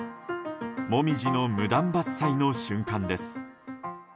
モミジの無断伐採の瞬間です。